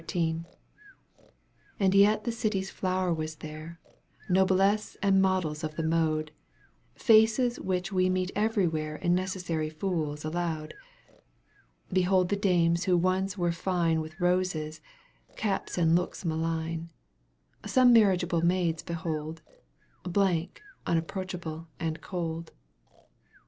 /^ And yet the city's flower was there. Noblesse and models of the mode, Faces which we meet everywhere And necessary fools allowed. Behold the dames who once were fine With roses, caps and looks malign ; Some marriageable maids behold, Blank, unapproachable and cold.